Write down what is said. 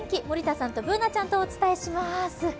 森田さんとＢｏｏｎａちゃんとお伝えします。